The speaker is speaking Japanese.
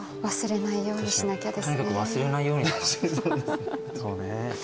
とにかく忘れないようにしな。